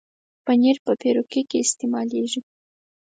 پنېر په پیروکي کې استعمالېږي.